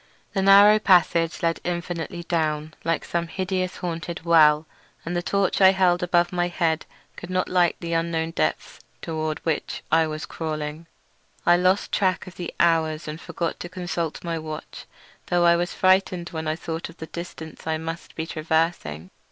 The narrow passage led infinitely down like some hideous haunted well, and the torch I held above my head could not light the unknown depths toward which I was crawling. I lost track of the hours and forgot to consult my watch, though I was frightened when I thought of the distance I must be traversing.